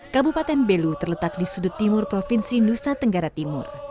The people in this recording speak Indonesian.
kabupaten belu terletak di sudut timur provinsi nusa tenggara timur